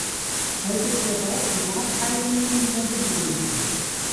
Heute ist der Bau Privateigentum der Bewohner.